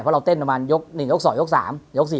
เพราะว่าเราเต้นต่อมา๑ยก๒ยก๓